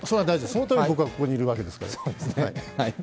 そのために僕は、ここにいるわけですから。